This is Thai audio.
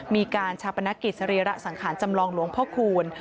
มีการชาปนกิจสรีระสังขารจำลองหลวงพ่อคูณ